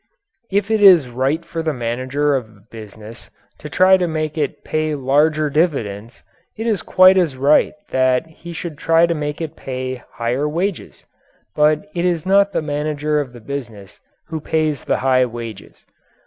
If it is right for the manager of a business to try to make it pay larger dividends, it is quite as right that he should try to make it pay higher wages. But it is not the manager of the business who pays the high wages.